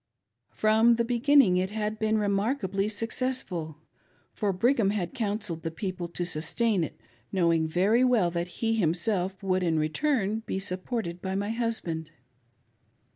From the beginning it had been remarkably successful, for Brigham had counselled the people to sustain it, knowing very well that he himself would in return be supported by my husband.